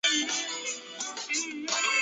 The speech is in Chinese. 算子范数是数学中泛函分析里的概念。